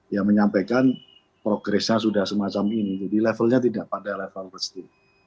ya menyampaikan progress nya sudah semacam ini jadi levelnya tidak pada level restu